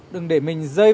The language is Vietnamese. đừng để mình rơi vào hụi